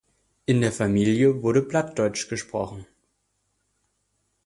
In der Familie wurde Plattdeutsch gesprochen.